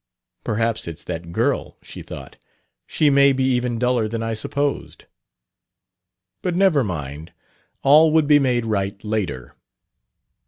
"Perhaps it's that girl," she thought; "she may be even duller than I supposed." But never mind; all would be made right later.